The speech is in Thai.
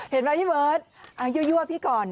เห็นไหมพี่เบิร์ตอ่ะเยอะเยอะพี่ก่อน